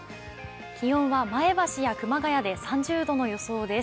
気温は前橋や熊谷で３０度の予想です。